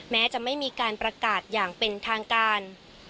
แม้จะไม่มีการประกาศอย่างเป็นทางการ